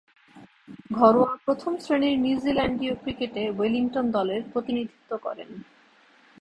ঘরোয়া প্রথম-শ্রেণীর নিউজিল্যান্ডীয় ক্রিকেটে ওয়েলিংটন দলের প্রতিনিধিত্ব করেন।